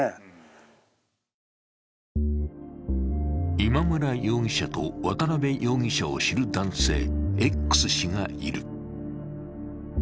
今村容疑者は渡辺容疑者を知る男性、Ｘ氏がいる。